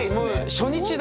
初日だ。